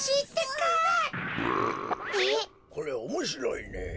これおもしろいね。